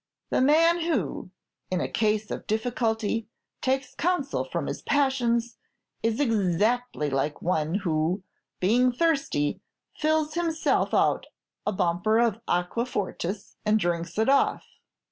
The man who, in a case of difficulty, takes counsel from his passions, is exactly like one, who being thirsty, fills himself out a bumper of aquafortis and drinks it off."